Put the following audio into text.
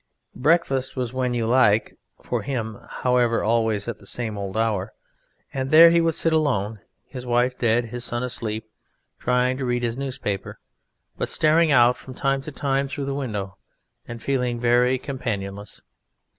Breakfast was when you like (for him, however, always at the same old hour, and there he would sit alone, his wife dead, his son asleep trying to read his newspaper, but staring out from time to time through the window and feeling very companion less).